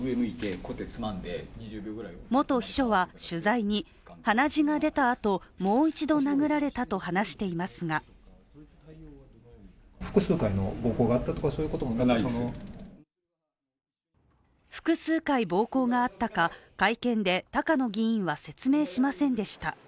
元秘書は取材に鼻血が出たあともう一度殴られたと話していますが複数回暴行があったか、会見で高野議員は説明しませんでした。